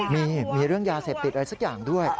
มีมีเรื่องยาเสพติดอะไรสักอย่างด้วย